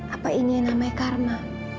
apa ini yang namanya karma